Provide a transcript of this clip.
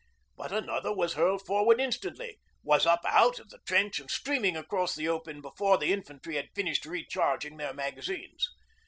But another was hurled forward instantly, was up out of the trench and streaming across the open before the infantry had finished re charging their magazines.